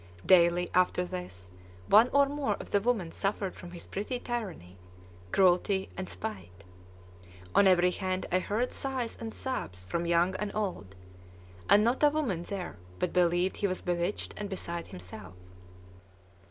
Daily, after this, one or more of the women suffered from his petty tyranny, cruelty, and spite. On every hand I heard sighs and sobs from young and old; and not a woman there but believed he was bewitched and beside himself.